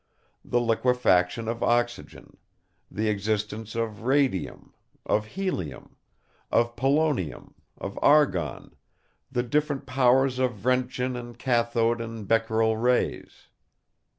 The liquefaction of oxygen; the existence of radium, of helium, of polonium, of argon; the different powers of Roentgen and Cathode and Bequerel rays.